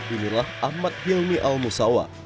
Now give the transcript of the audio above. inilah ahmad hilmi al musawa